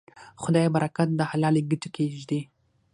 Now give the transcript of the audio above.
خدای برکت د حلالې ګټې کې ږدي.